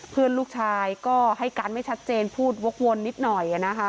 เพื่อนลูกชายก็ให้การไม่ชัดเจนพูดวกวนนิดหน่อยนะคะ